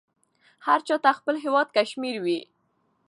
هر چاته خپل هیواد کشمیر وې.